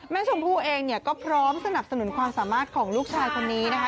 ชมพู่เองเนี่ยก็พร้อมสนับสนุนความสามารถของลูกชายคนนี้นะคะ